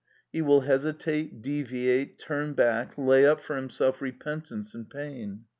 He will hesitate, deviate, turn back, lay up for himself repentance and pain.